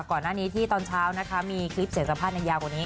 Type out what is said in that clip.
ก่อนหน้านี้ที่ตอนเช้านะคะมีคลิปเสียงสัมภาษณ์ยาวกว่านี้